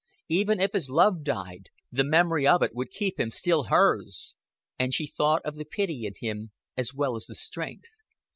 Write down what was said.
Even if his love died, the memory of it would keep him still hers. And she thought of the pity in him, as well as the strength.